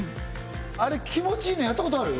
あれ気持ちいいのよやったことある？